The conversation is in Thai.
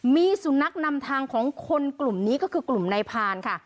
มีสุนัขนำทางของคนกลุ่มนี้ก็คือกลุ่มนายพานค่ะ